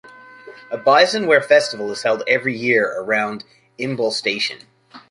A Bizen ware festival is held every year around Imbe Station.